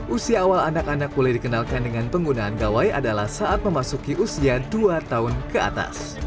usia awal anak anak boleh dikenalkan dengan penggunaan gawai adalah saat memasuki usia dua tahun ke atas